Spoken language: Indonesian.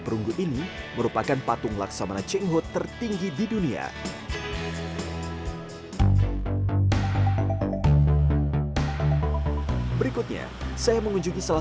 perunggu ini merupakan patung laksamana cheng ho tertinggi di dunia berikutnya saya mengunjungi salah